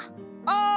ああ